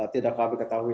tidak kami ketahui